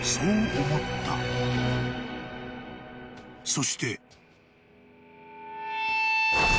［そして］